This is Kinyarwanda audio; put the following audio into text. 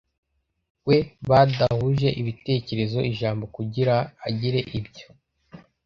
we badahuje ibitekerezo ijambo, kugira ngo agire ibyo